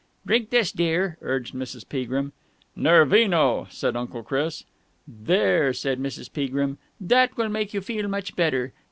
"Drink this, dear," urged Mrs. Peagrim. "Nervino," said Uncle Chris. "There!" said Mrs. Peagrim. "That will make you feel much better.